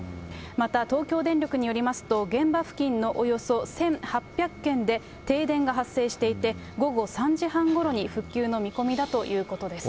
また、東京電力によりますと、現場付近のおよそ１８００軒で停電が発生していて、午後３時半ごろに復旧の見込みだということです。